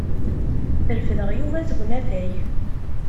Refdeɣ Yuba seg unafag.